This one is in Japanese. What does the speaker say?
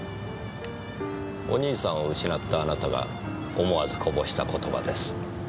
お兄さんを失ったあなたが思わずこぼした言葉です。